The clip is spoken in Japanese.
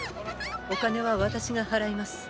お金は私が払います。